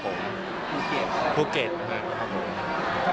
ภูเก็ตครับครับภูเก็ตครับครับครับผม